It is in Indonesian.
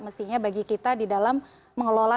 mestinya bagi kita di dalam mengelola